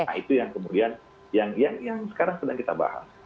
nah itu yang kemudian yang sekarang sedang kita bahas